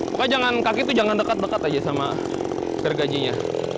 pokoknya kaki itu jangan dekat dekat aja sama gergajinya